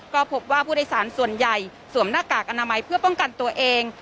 ก็พบว่าผู้โดยสารส่วนใหญ่สวมหน้ากากอนามัยเพื่อป้องกันตัวเอง